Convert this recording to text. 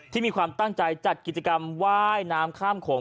มีความตั้งใจจัดกิจกรรมว่ายน้ำข้ามโขง